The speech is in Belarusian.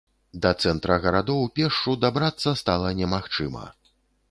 Да цэнтра гарадоў пешшу дабрацца стала немагчыма.